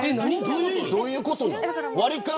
どういうことなの。